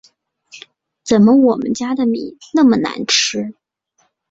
怎么我们家的米那么难吃